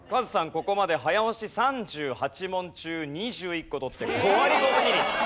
ここまで早押し３８問中２１個取って５割５分２厘。